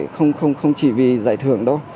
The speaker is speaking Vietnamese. không chỉ vì giải thưởng đâu